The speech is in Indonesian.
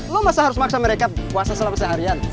lo masa harus maksa mereka puasa selama seharian